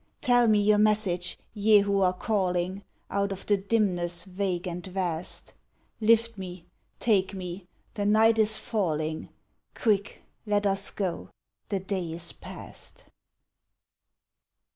Tell me your message, Ye who are calling Out of the dimness vague and vast; Lift me, take me, the night is falling; Quick, let us go, the day is past.